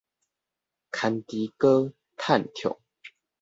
牽豬哥趁暢